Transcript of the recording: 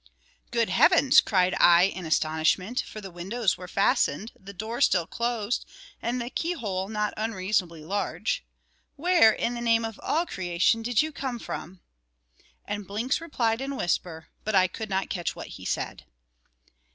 "Good heavens!" cried I in astonishment, for the windows were fastened, the door still closed, and the key hole not unreasonably large, "where in the name of all creation did you come from?" And Blinks replied in a whisper; but I could not catch what he said.